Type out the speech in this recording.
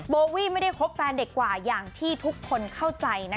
โบวี่ไม่ได้คบแฟนเด็กกว่าอย่างที่ทุกคนเข้าใจ